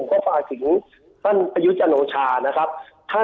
ผมพาถึงท่านปรยุจันโหชาค่ะ